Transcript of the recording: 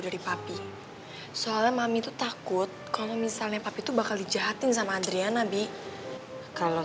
dari papi soalnya mami tuh takut kalau misalnya tapi tuh bakal dijahatin sama adriana b kalau